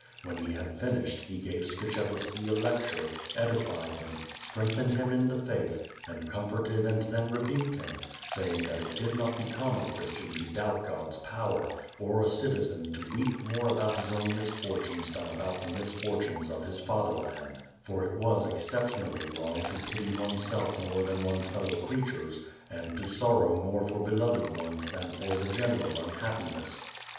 When he had finished, he gave Skshetuski a lecture, edified him, strengthened him in the faith, and comforted and then rebuked him, saying that it did not become a Christian to doubt God^s power, or a citi zen to weep more about his own misfortunes than about the 301 io^ WITH FIRE AND SWORD. misfortunefi of his fatherland, for it was exceptionally wrong to pity oneself more than one's fellow creatures, and to sorrow more for beloved ones than for the general nnhappi ness.